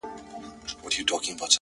ستا په سترگو کي سندري پيدا کيږي’